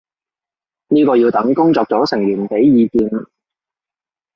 呢個要等工作組成員畀意見